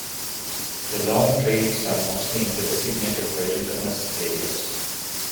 The long trails are mostly in designated wilderness areas.